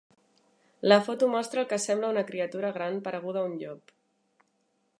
La foto mostra el que sembla una criatura gran pareguda a un llop.